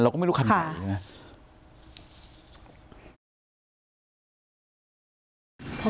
เราก็ไม่รู้คันไหนค่ะ